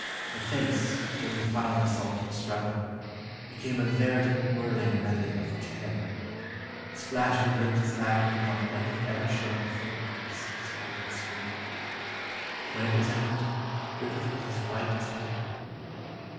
Her face, during the final assault and struggle, became a veritable whirling medley of terror, its flashing glimpses of agony beyond anything ever shown before or since on the screen. When it was ended, Griffith was as white as paper.